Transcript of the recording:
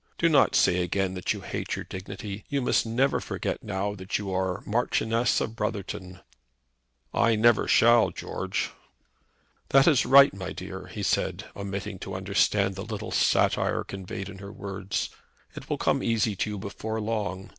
Do not say again that you hate your dignity. You must never forget now that you are Marchioness of Brotherton." "I never shall, George." "That is right, my dear," he said, omitting to understand the little satire conveyed in her words. "It will come easy to you before long.